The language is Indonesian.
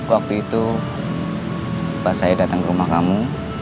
waktu itu bapak saya datang ke rumah kamu